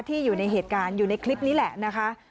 อยู่ในเหตุการณ์อยู่ในคลิปนี้แหละนะคะ